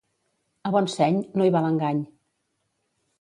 A bon seny no hi val engany.